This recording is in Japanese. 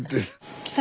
来た？